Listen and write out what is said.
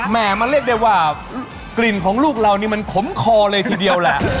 แม่มันเรียกได้ว่ากลิ่นของลูกเรานี่มันขมคอเลยทีเดียวแหละ